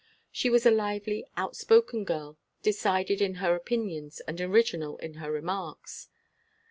She was a lively, outspoken girl, decided in her opinions, and original in her remarks.